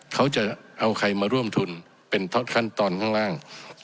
เขาจะเอาใครมาร่วมทุนเป็นขั้นตอนข้างล่าง